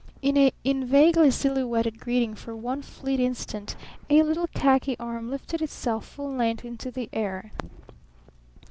In vaguely silhouetted greeting for one fleet instant a little khaki arm lifted itself full length into the air.